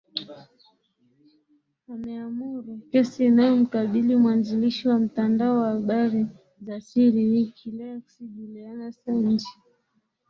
ameamuru kesi inayomkabili mwazilishi wa mtandao wa habari za siri wiki leaks juliana sanjhi